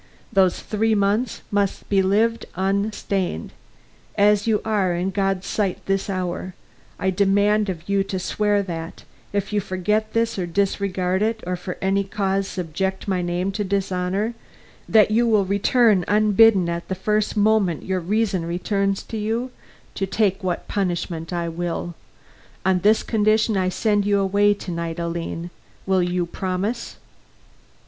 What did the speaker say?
"Those three months must be lived unstained. As you are in God's sight this hour, I demand of you to swear that, if you forget this or disregard it, or for any cause subject my name to dishonor, that you will return unbidden at the first moment your reason returns to you, to take what punishment I will. On this condition I send you away to night. Aline, will you promise?"